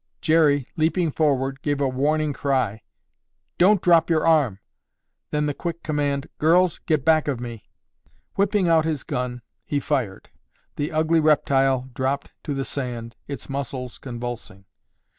Jerry, leaping forward, gave a warning cry. "Don't drop your arm!" Then the quick command, "Girls, get back of me!" Whipping out his gun, he fired. The ugly reptile dropped to the sand, its muscles convulsing.